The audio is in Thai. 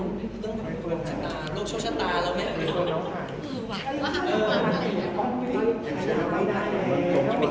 เชื่อนะคะ